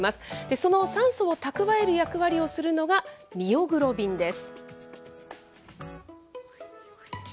その酸素を蓄える役割をするのがミオグロビンです。